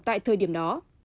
tại thời điểm đó